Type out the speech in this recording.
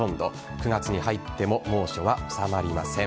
９月に入っても猛暑は収まりません。